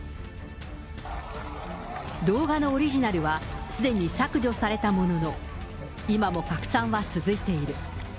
動画のオリジナルは、すでに削除されたものの、今も拡散は続いている。